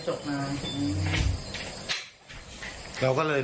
แล้วก็เพิ่งกินอย่างนี้ค่ะ